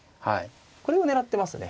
これを狙ってますね。